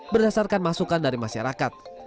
berdasarkan masukan dari masyarakat